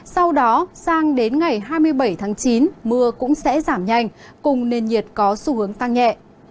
sau đó sang đến ngày hai mươi bảy tháng chín mưa cũng sẽ giảm nhanh cùng nền nhiệt có xu hướng tăng nhẹ